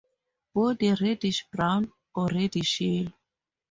Body reddish brown or reddish yellow.